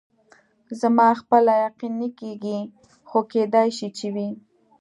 زما خپله یقین نه کېږي، خو کېدای شي چې وي.